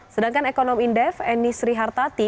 sedangkan ekonom indef eni srihartati